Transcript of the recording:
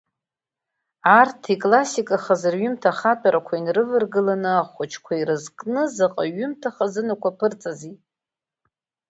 Арҭ иклассикахаз рҩымҭа хатәрақәа инарываргыланы ахәыҷқәа ирызкны заҟа ҩымҭа хазынақәа аԥырҵазеи!